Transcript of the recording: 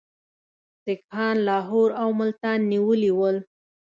سیکهان لاهور او ملتان نیولي ول.